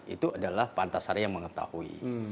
itu adalah pak antasari yang mengetahui